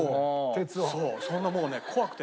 そんなもうね怖くてね。